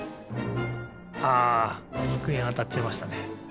あつくえにあたっちゃいましたね。